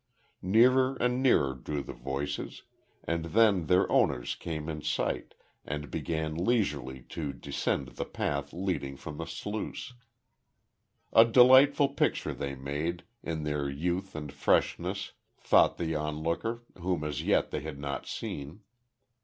Nearer and nearer drew the voices, and then their owners came in sight, and began leisurely to descend the path leading from the sluice. A delightful picture they made, in their youth and freshness thought the onlooker, whom as yet they had not seen.